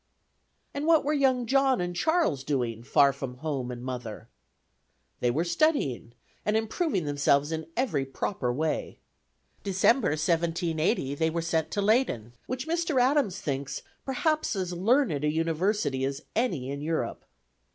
And what were young John and Charles doing, far from home and mother? They were studying, and improving themselves in every proper way. In December, 1780, they were sent to Leyden, which Mr. Adams thinks "perhaps as learned a University as any in Europe."